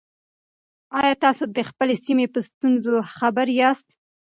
آیا تاسو د خپلې سیمې په ستونزو خبر یاست؟